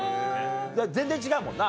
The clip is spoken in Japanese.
全然違うもんな。